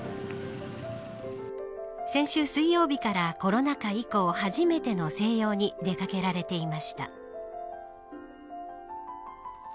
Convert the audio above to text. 先週水曜日からコロナ禍以降初めての静養に出掛けられていました。